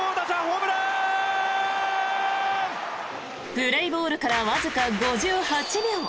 プレーボールからわずか５８秒。